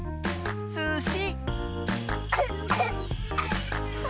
すし！